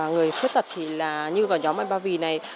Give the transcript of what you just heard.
người khuyết tật thì là như vào nhóm anh ba vì này